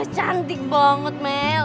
cantik banget mel